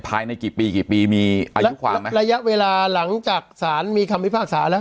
ภายในกี่ปีกี่ปีมีอายุความไหมระยะเวลาหลังจากสารมีคำพิพากษาแล้ว